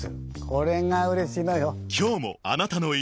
これがうれしいのよ。